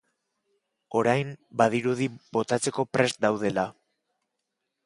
Orain badirudi botatzeko prest daudela.